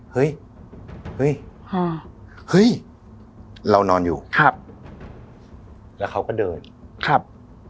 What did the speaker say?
เฮ้ยเฮ้ยฮะเฮ้ยเรานอนอยู่ครับแล้วเขาก็เดินครับ